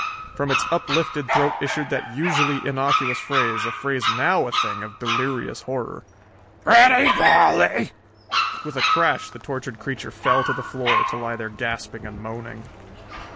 From its uplifted throat issued that usually innocuous phrase, a phrase now a thing of delirious horror: "Pretty Polly!" With a crash the tortured creature fell to the floor, to lie there gasping and moaning.